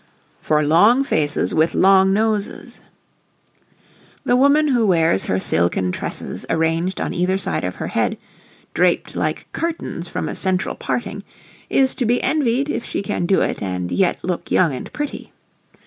For Long Faces with Long Noses. The woman who wears her silken tresses arranged on either side of her head, draped like curtains from a central parting, is to be envied if she can do it and yet look young and pretty.